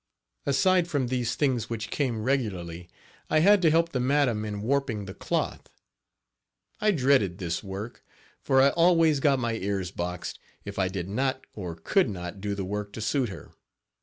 Aside from these things which came regularly, I had to help the madam in warping the cloth. I dreaded this work, for I always got my ears boxed if I did not or could not do the work to suit her.